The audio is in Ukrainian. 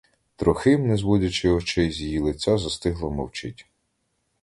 Трохим, не зводячи очей з її лиця, застигло мовчить.